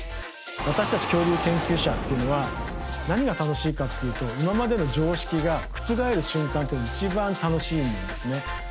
私たち恐竜研究者っていうのは何が楽しいかっていうと今までの常識が覆る瞬間っていうのが一番楽しいんですね。